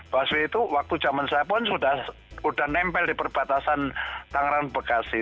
busway itu waktu zaman saya pun sudah nempel di perbatasan tangerang bekasi